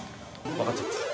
◆分かっちゃった。